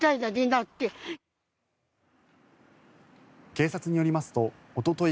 警察によりますとおととい